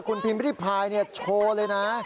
คุณพิมพ์ริพายเนี่ยโชว์เลยนะ